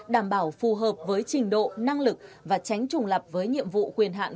đảm bảo phù hợp với trình độ năng lực và tránh trùng lập với nhiệm vụ quyền hạn